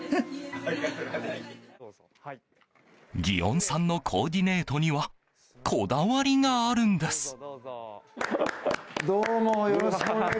祇園さんのコーディネートにはこだわりがあるんです。